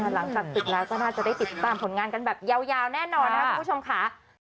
หลังจากปิดแล้วก็น่าจะได้ติดตามผลงานกันแบบยาวแน่นอนนะครับคุณผู้ชมค่ะ